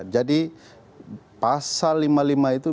jadi pasal lima puluh lima itu